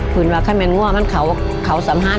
หืนว่าแค่แม่งว่ามันเขาชาวสำหราญ